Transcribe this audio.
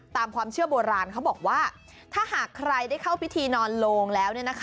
ตามความเชื่อโบราณเขาบอกว่าถ้าหากใครได้เข้าพิธีนอนโลงแล้ว